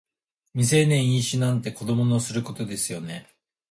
未成年飲酒なんて子供のすることですよ